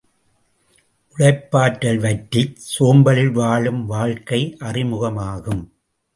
உழைப்பாற்றல் வற்றிச் சோம்பலில் வாழும் வாழ்க்கை அறிமுகமாகும்!